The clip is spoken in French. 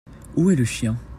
Où est le chien ?